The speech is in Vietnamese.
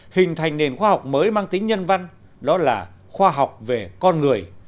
hình thành nền khoa học mới mang tính nhân văn đó là khoa học về con người